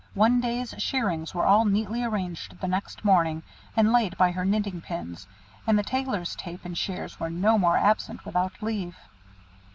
One day's shearings were all neatly arranged the next morning, and laid by her knitting pins; and the Tailor's tape and shears were no more absent without leave.